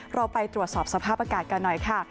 เราไปตรวจสอบสภาพอากาศกันหน่อยค่ะ